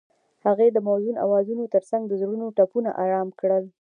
هغې د موزون اوازونو ترڅنګ د زړونو ټپونه آرام کړل.